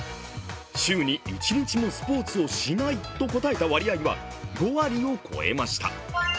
「週に１日もスポーツをしない」と答えた割合は５割を超えました。